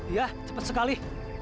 iya cepat sekali